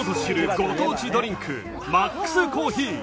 ご当地ドリンク・マックスコーヒー。